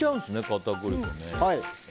片栗粉ね。